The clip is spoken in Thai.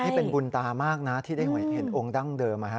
นี่เป็นบุญตามากนะที่ได้หอยเห็นองค์ดั้งเดิม